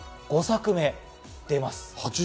５作目、出ます。